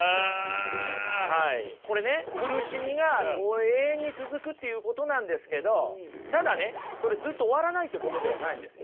これね苦しみが永遠に続くっていうことなんですけどただねそれずっと終わらないってことではないんですよ。